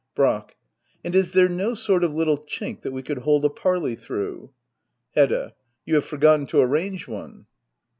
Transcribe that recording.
Brack. And is there no sort of little chink that we could hold a parley through ? Hedda. You have forgotten to arrange one.